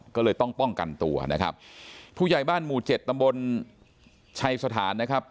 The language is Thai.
ก็เลยต้องป้องกันตัวนะครับผู้ใหญ่บ้านหมู่เจ็ดตำบลชัยสถานนะครับ